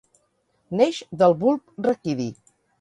Neix del bulb raquidi.